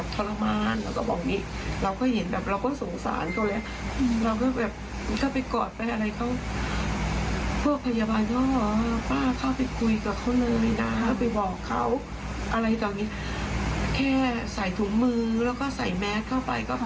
อะไรต่างนี้แค่ใส่ถุงมือแล้วก็ใส่แมสเข้าไปก็พอ